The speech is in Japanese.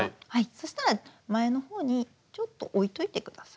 そしたら前の方にちょっとおいといて下さい。